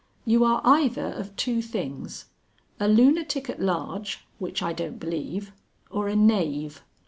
You are either of two things a lunatic at large (which I don't believe), or a knave.